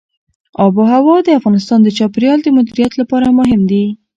آب وهوا د افغانستان د چاپیریال د مدیریت لپاره مهم دي.